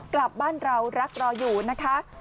กลับบ้านเรารักรออยู่นะคะ